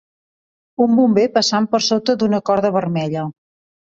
Un bomber passant per sota d"una corda vermella.